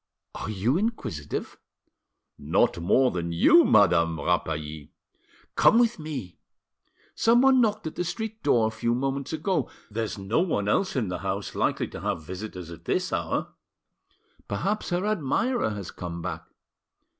Are you inquisitive?" "Not more than you, Madame Rapally." "Come with me. Someone knocked at the street door a few moments ago; there's no one else in the douse likely to have visitors at this hour. Perhaps her admirer has come back."